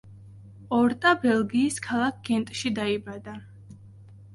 ორტა ბელგიის ქალაქ გენტში დაიბადა.